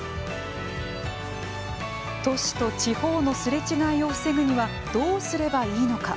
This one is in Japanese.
都市と地方のすれ違いを防ぐにはどうすればいいのか。